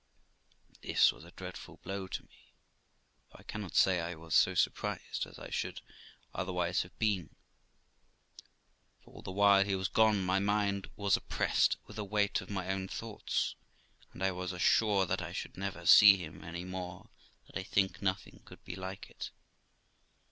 This was a dreadful blow to me, though I cannot say I was so surprised as I should otherwise have been, for all the while he was gone my mind was oppressed with the weight of my own thoughts, and I was as sure that I should never see him any more that I think nothing could be like it.